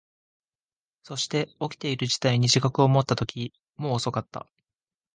そして、起きている事態に自覚を持ったとき、もう遅かった。